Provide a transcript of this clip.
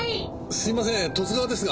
すいません十津川ですが。